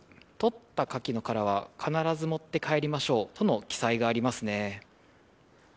とったカキの殻は必ず持って帰りましょうとの記載がありますね。